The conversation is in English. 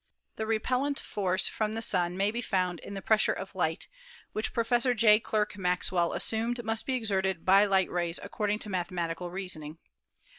The repellent force from the Sun may be found in the pres sure of light, which Professor J. Clerk Maxwell assumed must be exerted by light rays according to mathematical reasoning.